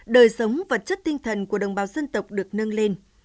đời sống vật chất tinh thần của đồng bào dân tộc được nâng lên